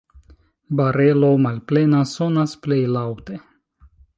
Barelo malplena sonas plej laŭte.